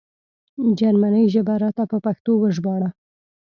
جرمنۍ ژبه راته په پښتو وژباړه